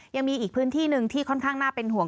ยังมีอีกพื้นที่หนึ่งที่ค่อนข้างน่าเป็นห่วง